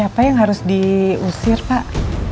apa yang harus diusir pak